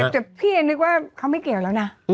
แต่พี่นึกว่าเขาไม่เกี่ยวแล้วนะ